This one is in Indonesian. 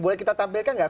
boleh kita tampilkan gak